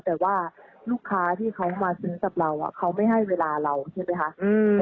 แต่ว่าลูกค้าที่เขามาซื้อกับเราเขาไม่ให้เวลาเราใช่ไหมคะ